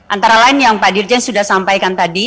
antara lain yang pak dirjen sudah sampaikan tadi